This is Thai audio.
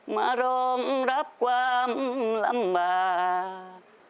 รองรับความลำบาก